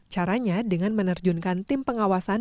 caranya dengan menerjunkan tim pengawasan